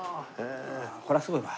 これはすごいわ。